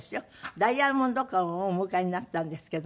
ダイヤモンド婚をお迎えになったんですけども。